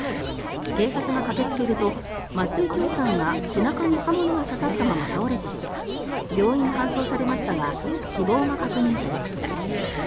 警察が駆けつけると松井響さんが背中に刃物が刺さったまま倒れていて病院に搬送されましたが死亡が確認されました。